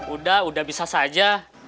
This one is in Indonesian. udah udah bisa saja